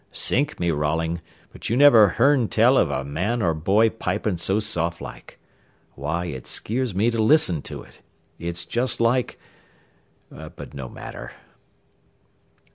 Sink me, Rolling, but you never hearn tell of a man or boy pipin' so soft like. Why, it skeers me to listen to it. It's just like but no matter."